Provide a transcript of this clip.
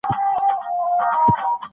افغانستان د ژمی له امله شهرت لري.